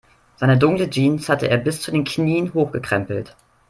Seine dunkle Jeans hatte er bis zu den Knien hochgekrempelt.